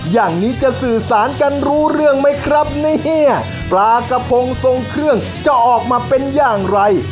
อย่างนี้จะสื่อสารกันรู้เรื่องไหมครับเนี่ยปลากระพงทรงเครื่องจะออกมาเป็นอย่างไร